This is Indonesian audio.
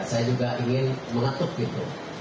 saya juga ingin mengetuk gitu